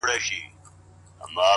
د حالاتو سترگي سرې دې له خماره!